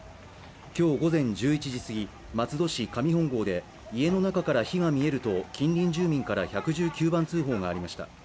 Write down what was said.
今日午前１１時すぎ松戸市上本郷で家の中から火が見えると近隣住民から１１９番通報がありました。